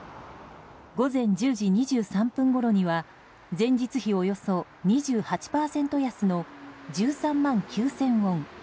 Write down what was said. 午前１０時２３分ごろには前日比およそ２８％安の１３万９０００ウォン。